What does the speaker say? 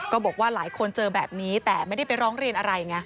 ก็บอกว่าหลายคนเจอแบบนี้แต่ไม่ได้ไปร้องเรียนอะไรไง